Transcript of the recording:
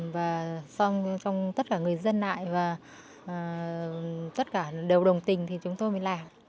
và xong tất cả người dân lại và tất cả đều đồng tình thì chúng tôi mới làm